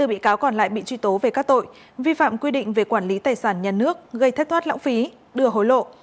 ba mươi bốn bị cáo còn lại bị truy tố về các tội vi phạm quy định về quản lý tài sản nhà nước gây thét thoát lão phí đưa hối lộ